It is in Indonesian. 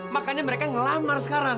makanya mereka ngelamar sekarang